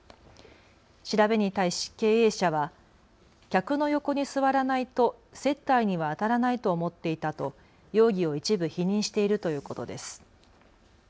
調べに対し経営者は客の横に座らないと接待にはあたらないと思っていたと容疑を一部否認しているということです。